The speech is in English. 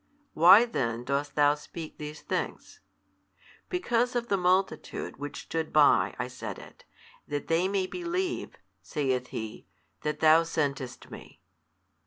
Why then dost Thou speak these things? Because of the multitude which stood by I said it, that they may believe (saith He) that Thou sentest Me.